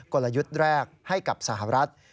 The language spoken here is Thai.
กลยุทธ์แรกให้กับสหรัฐ